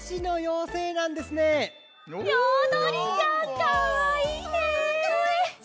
かわいいち。